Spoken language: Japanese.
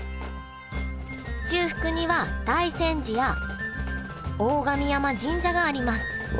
中腹には大山寺や大神山神社がありますうわ！